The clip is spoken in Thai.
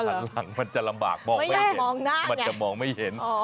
ถ้าขันหลังมันจะลำบากมองไม่เห็นมันจะมองไม่เห็น